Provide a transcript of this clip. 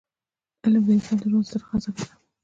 علمد انسان د ژوند ستره خزانه ده.